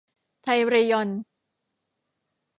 ไทยเรยอน